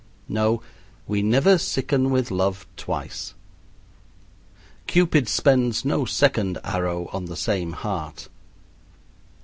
No, we never sicken with love twice. Cupid spends no second arrow on the same heart.